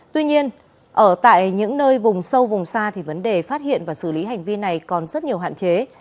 tuy nhiên ở tại những nơi vùng sâu vùng xa thì vấn đề phát hiện và xử lý hành vi này còn rất nhiều hạn chế